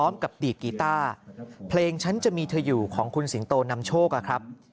ตลอดไปแล้วบางคนระหว่างที่ร้องเพลงก็ร้องไห้ไปด้วยครับ